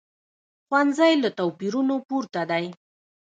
ښوونځی له توپیرونو پورته دی